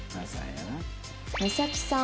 「実咲さん